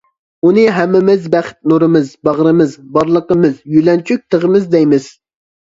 ئۇنى ھەممىمىز بەخت نۇرىمىز، باغرىمىز، بارلىقىمىز، يۆلەنچۈك تېغىمىز دەيمىز.